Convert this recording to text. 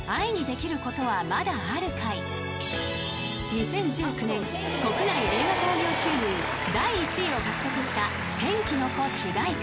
［２０１９年国内映画興行収入第１位を獲得した『天気の子』主題歌］